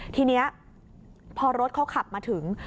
ทีนี้พอรถเขาขับมาถึง